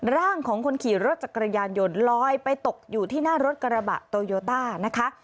ร่างของคนขี่รถจักรยานยนต์ลอยไปตกอยู่ที่หน้ารถกระบะโตโยต้านะคะ